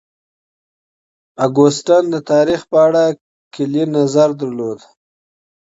اګوستين د تاريخ په اړه کلي نظر درلود.